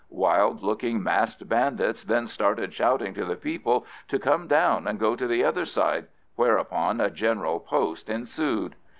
Wild looking masked bandits then started shouting to the people to come down and go to the other side, whereupon a general post ensued.